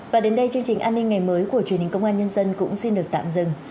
và đến đây chương trình an ninh ngày mới của truyền hình công an nhân dân cũng xin được tạm dừng